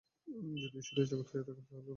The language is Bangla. যদি ঈশ্বর এই জগৎ হইয়া থাকেন, তবে সবই ঈশ্বর।